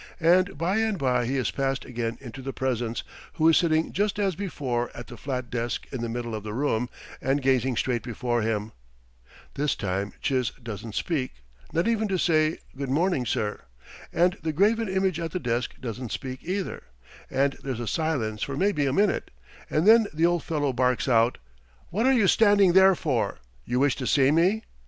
And by and by he is passed again into the presence, who is sitting just as before at the flat desk in the middle of the room, and gazing straight before him. This time Chiz doesn't speak, not even to say; "Good morning, sir." And the graven image at the desk doesn't speak either, and there's a silence for maybe a minute, and then the old fellow barks out: "What are you standing there for? You wish to see me?"